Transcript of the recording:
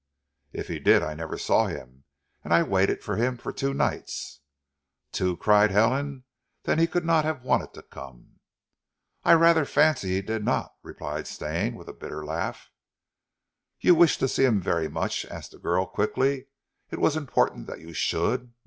"If he did, I never saw him and I waited for him two nights!" "Two!" cried Helen. "Then he could not have wanted to come." "I rather fancy he did not," replied Stane with a bitter laugh. "You wished to see him very much?" asked the girl quickly. "It was important that you should?"